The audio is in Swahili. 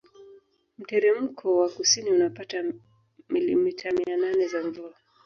Mteremko wa kusini unapata milimita mia name za mvua